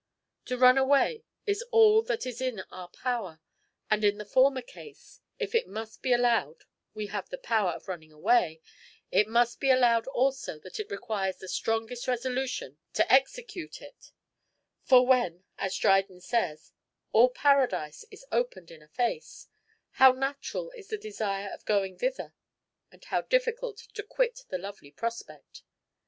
To run away is all that is in our power; and in the former case, if it must be allowed we have the power of running away, it must be allowed also that it requires the strongest resolution to execute it; for when, as Dryden says, All paradise is open'd in a face, how natural is the desire of going thither! and how difficult to quit the lovely prospect!